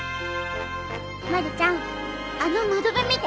まるちゃんあの窓辺見て。